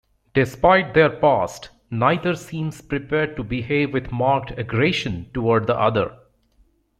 Despite their past, neither seems prepared to behave with marked aggression toward the other.